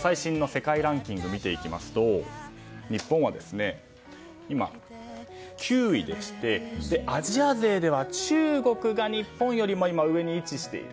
最新の世界ランキングを見ていきますと日本は今９位でしてアジア勢では中国が日本よりも上に位置している。